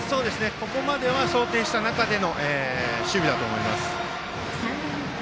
ここまでは想定した中での守備だと思います。